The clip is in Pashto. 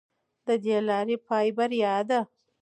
د دې لارې پای بریا ده.